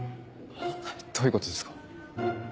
どういうことですか？